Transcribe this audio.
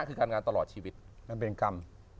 คือการงานตลอดชีวิตมันเป็นกรรม